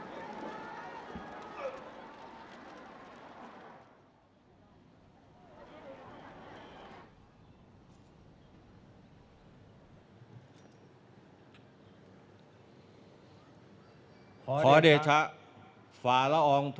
เวรบัติสุภิกษ์